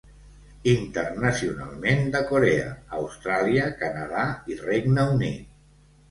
Internacionalment de Corea, Austràlia, Canadà i Regne Unit.